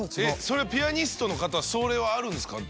ピアニストの方それはあるんですか？